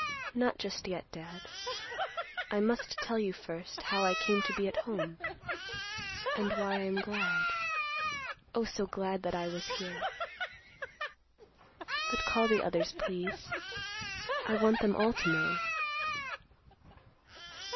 "Not just yet, Dad. I must tell you first how I came to be at home, and why I am glad—oh, so glad, that I was here. But call the others, please; I want them all to know."